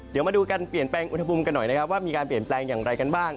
เดี๋ยวมาดูการเปลี่ยนแปลงอุณหภูมิกันหน่อยนะครับว่ามีการเปลี่ยนแปลงอย่างไรกันบ้าง